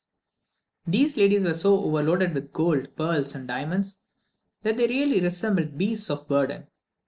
These ladies were so overloaded with gold, pearls, and diamonds, that they really resembled beasts of burden.